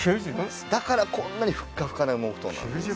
だからこんなにふっかふかな羽毛布団なんです。